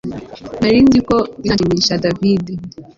Nari nzi ko bizashimisha David